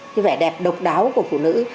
cái vẻ đẹp độc đáo của phụ nữ